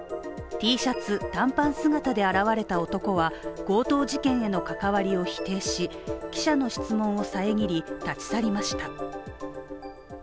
Ｔシャツ、短パン姿で現れた男は強盗事件への関わりを否定し、記者の質問を遮り、立ち去りました。